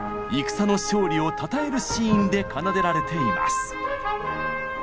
戦の勝利をたたえるシーンで奏でられています。